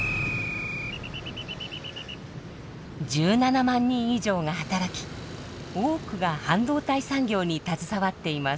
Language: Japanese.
１７万人以上が働き多くが半導体産業に携わっています。